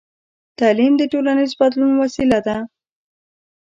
تعلیم د ټولنیز بدلون وسیله ده.